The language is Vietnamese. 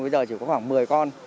bây giờ chỉ có khoảng một mươi con